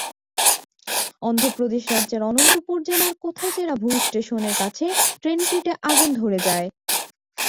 অন্ধ্র প্রদেশ রাজ্যের অনন্তপুর জেলার কোথাচেরাভু স্টেশনের কাছে ট্রেনটিতে আগুন ধরে যায়।